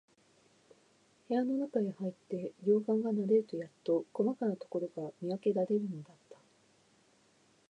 部屋のなかへ入って、両眼が慣れるとやっと、こまかなところが見わけられるのだった。